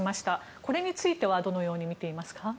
これについてはどのように見ていますか。